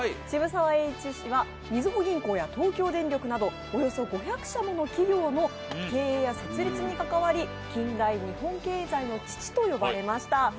渋沢栄一氏はみずほ銀行や東京電力など、およそ５００者もの企業の経営や設立に関わり近代日本経済の父と呼ばれました。